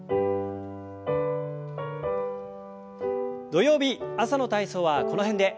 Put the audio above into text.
土曜日朝の体操はこの辺で。